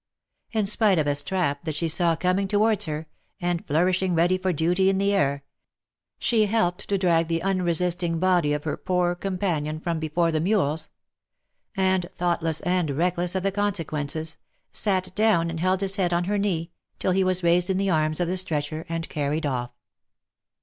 And spite of a strap that she saw coining towards her, and flourishing ready for duty in the air, she helped to drag the unresisting body of her poor companion from before the mules, and thoughtless and reckless of the consequences, sat down and held his head on her knee, till he was raised in the arms of the stretcher and carried off.